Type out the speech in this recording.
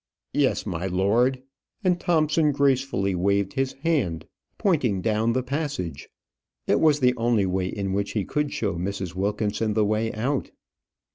"Yes, my lord;" and Thompson gracefully waved his hand, pointing down the passage. It was the only way in which he could show Mrs. Wilkinson the way out.